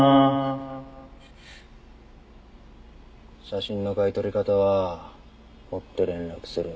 写真の買い取り方は追って連絡する。